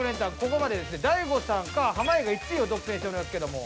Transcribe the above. ここまでですね大悟さんか濱家が１位を独占しておりますけども。